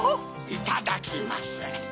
いただきます。